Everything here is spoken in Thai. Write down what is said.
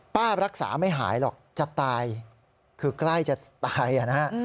รักษาไม่หายหรอกจะตายคือใกล้จะตายนะฮะ